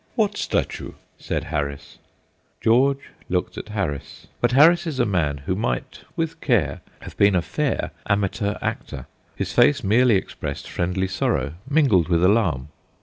"What statue?" said Harris. George looked at Harris; but Harris is a man who might, with care, have been a fair amateur actor. His face merely expressed friendly sorrow, mingled with alarm.